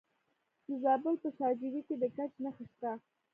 د زابل په شاجوی کې د ګچ نښې شته.